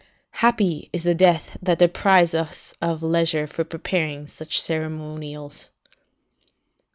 Happy is the death that deprives us of leisure for preparing such ceremonials.